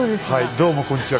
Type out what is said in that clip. どうもこんにちは。